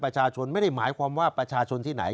ประชาชนไม่ได้หมายความว่าประชาชนที่ไหน